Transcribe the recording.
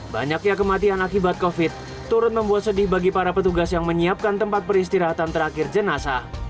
banyaknya kematian akibat covid turut membuat sedih bagi para petugas yang menyiapkan tempat peristirahatan terakhir jenazah